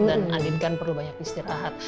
dan andin kan perlu banyak istirahat